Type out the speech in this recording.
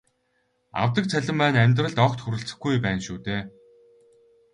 Авдаг цалин маань амьдралд огт хүрэлцэхгүй байна шүү дээ.